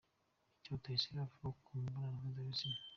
Icyo Rutayisire avuga ku mibonano mpuzabitsina.